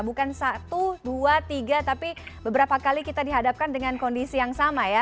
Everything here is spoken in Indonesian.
bukan satu dua tiga tapi beberapa kali kita dihadapkan dengan kondisi yang sama ya